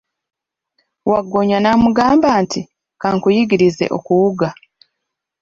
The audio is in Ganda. Waggoonya n'amugamba nti, kankuyigirize okuwuga.